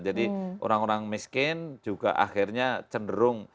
jadi orang orang miskin juga akhirnya cenderung